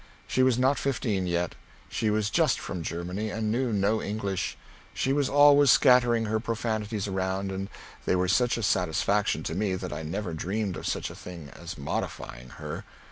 She was not fifteen yet. She was just from Germany, and knew no English. She was always scattering her profanities around, and they were such a satisfaction to me that I never dreamed of such a thing as modifying her.